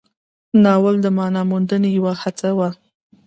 ناول د معنا موندنې یوه هڅه وه.